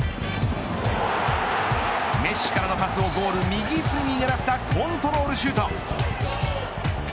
メッシからのパスをゴール右隅にねらったコントロールシュート。